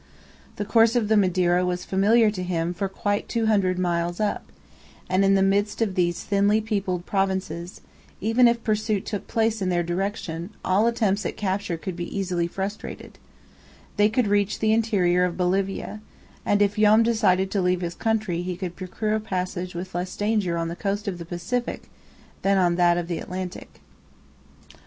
The course of the Madeira was familiar to him for quite two hundred miles up, and in the midst of these thinly peopled provinces, even if pursuit took place in their direction, all attempts at capture could be easily frustrated; they could reach the interior of Bolivia, and if Joam decided to leave his country he could procure a passage with less danger on the coast of the Pacific than on that of the Atlantic.